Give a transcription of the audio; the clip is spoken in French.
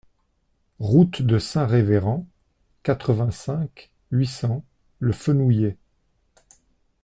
Route de Saint-Révérend, quatre-vingt-cinq, huit cents Le Fenouiller